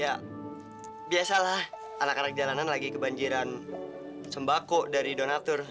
ya biasalah anak anak jalanan lagi kebanjiran sembako dari donatur